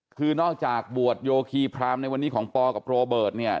คือนอกจากบวชโยคีพรามในวันนี้ของปอกับโรเบิร์ตเนี่ย